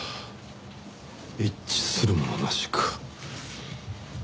一致するものなしか。